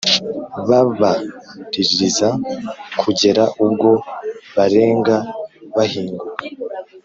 babaririza kugera ubwo barenga bahinguka!